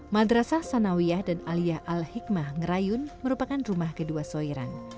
madrasah sanawiyah dan aliyah al hikmah ngerayun merupakan rumah kedua soiran